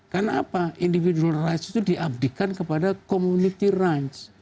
karena apa individual rights itu diabdikan kepada community rights